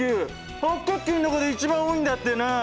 白血球の中で一番多いんだってな。